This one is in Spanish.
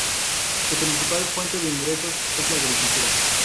Su principal fuente de ingresos es la agricultura.